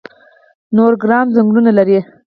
نورګرام ځنګلونه لري؟